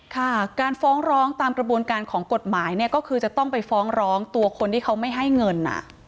ค่ะการฟ้องร้องตามกระบวนการของกฎหมายเนี่ยก็คือจะต้องไปฟ้องร้องตัวคนที่เขาไม่ให้เงิน